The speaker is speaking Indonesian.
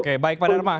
oke baik pak dharma